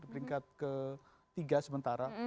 peringkat ke tiga sementara